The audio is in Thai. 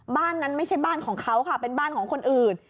บ้านนั้นไม่ใช่บ้านของเขาค่ะเป็นบ้านของคนอื่น